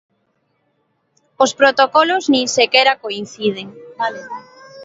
Os protocolos nin sequera coinciden.